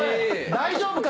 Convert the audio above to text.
大丈夫か？